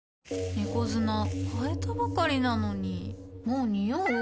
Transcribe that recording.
猫砂替えたばかりなのにもうニオう？